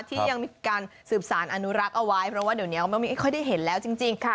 ที่ยังมีการสืบสารอนุรักษ์เอาไว้เพราะว่าเดี๋ยวนี้ไม่ค่อยได้เห็นแล้วจริง